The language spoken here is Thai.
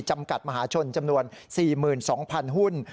จำกัดมหาชนจำนวน๔๒๐๐หุ้น